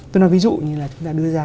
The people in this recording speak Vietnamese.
tôi nói ví dụ như là chúng ta đưa ra